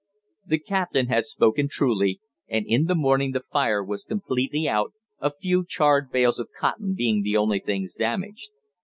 The captain had spoken truly, and in the morning the fire was completely out, a few charred bales of cotton being the only things damaged.